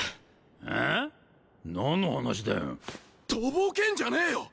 何の話だとぼけんじゃねえよ！